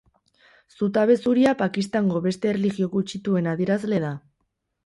Zutabe zuria Pakistango beste erlijio gutxituen adierazle da.